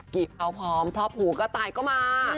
หยิบเอาพร้อมพรอบหูกระต่ายก็มา